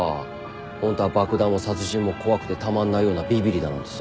ホントは爆弾も殺人も怖くてたまんないようなビビりだなんてさ。